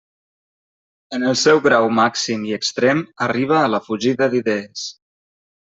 En el seu grau màxim i extrem arriba a la fugida d'idees.